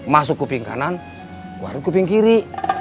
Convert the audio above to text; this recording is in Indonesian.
masuk kuping kanan baru kuping kiri